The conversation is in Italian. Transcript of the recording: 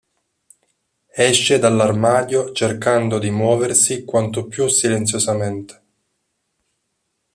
Esce dall'armadio cercando di muoversi quanto più silenziosamente.